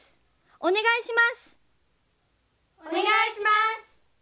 お願いします。